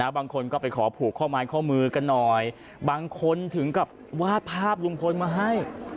บางคนก็ไปขอผูกข้อไม้ข้อมือกันหน่อยบางคนถึงกับวาดภาพลุงพลมาให้